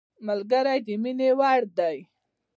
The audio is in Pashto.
ملګری د مینې وړ دی